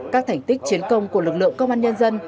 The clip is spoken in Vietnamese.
các thành tích chiến công của lực lượng công an nhân dân